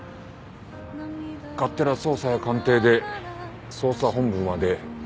勝手な捜査や鑑定で捜査本部まで立たせたのにな。